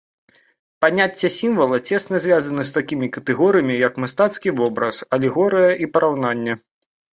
Паняцце сімвала цесна звязана з такімі катэгорыямі як мастацкі вобраз, алегорыя і параўнанне.